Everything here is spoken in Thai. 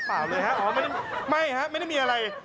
ไม่ออกเลยครับไม่ฮะไม่ได้มีอะไร